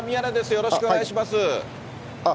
よろしくお願いします。